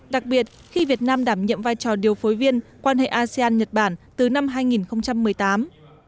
đặc biệt khi việt nam đảm nhiệm vai trò điều phối viên quan hệ asean nhật bản từ năm hai nghìn một mươi tám